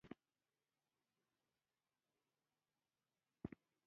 او امنیتي ادارو یو لوړ رتبه پلاوی کابل ته رسېدلی